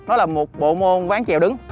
đó là một bộ môn ván chèo đứng